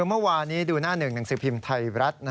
เมื่อวานี้ดูหน้าหนึ่งหนังสือพิมพ์ไทยรัฐ